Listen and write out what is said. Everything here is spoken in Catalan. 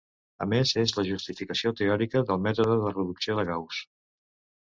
A més, és la justificació teòrica del mètode de reducció de Gauss.